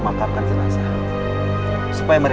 pak coba lanjut